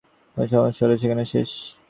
কোনো সমস্যা হলে সেখানেই শেষ।